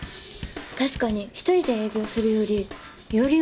確かに一人で営業するよりより